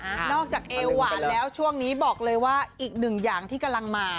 นอกจากเอวหวานแล้วช่วงนี้บอกเลยว่าอีกหนึ่งอย่างที่กำลังมา